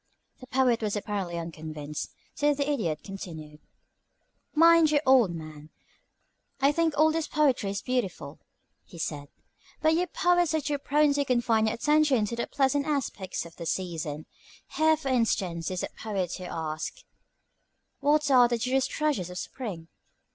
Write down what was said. The Poet was apparently unconvinced, so the Idiot continued: "Mind you, old man, I think all this poetry is beautiful," he said; "but you poets are too prone to confine your attention to the pleasant aspects of the season. Here, for instance, is a poet who asks 'What are the dearest treasures of spring?'